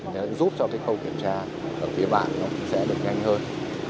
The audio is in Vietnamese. sẽ giúp cho cái khâu kiểm tra ở phía bạn nó sẽ được nhanh hơn